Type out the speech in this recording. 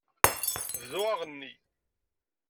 Bdu aɣenni.